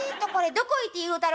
どこ行って言うたろ。